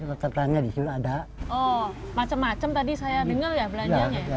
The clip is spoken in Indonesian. oh macam macam tadi saya dengar ya belanjanya